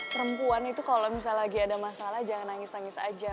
perempuan itu kalau misalnya lagi ada masalah jangan nangis nangis aja